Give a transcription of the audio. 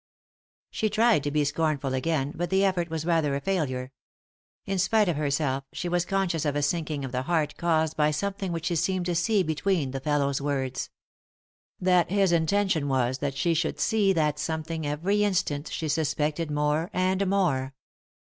She tried to be scornful again ; but the effort was rather a failure. In spite of herself she was conscious of a sinking of the heart caused by something which she seemed to see between the fellow's words. That 3i 9 iii^d by Google THE INTERRUPTED KISS his intention was that she should see that something every instant she suspected more and more.